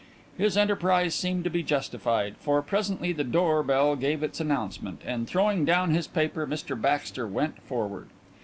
His enterprise seemed to be justified, for presently the door bell gave its announcement, and throwing down his paper Mr Baxter went forward.